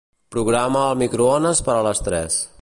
Programa el microones per a les tres.